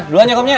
dua aja komnya